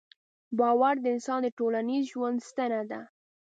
باور د انسان د ټولنیز ژوند ستنه ده.